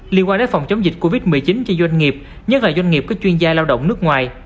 liên quan đến phòng chống dịch covid một mươi chín cho doanh nghiệp nhất là doanh nghiệp các chuyên gia lao động nước ngoài